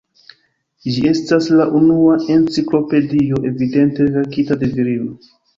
Ĝi estas la unua enciklopedio evidente verkita de virino.